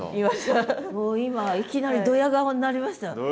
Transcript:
今いきなりドヤ顔になりました。